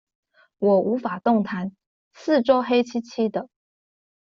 我無法動彈，四周黑漆漆的